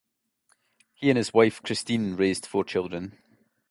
He and his wife Christine raised four children.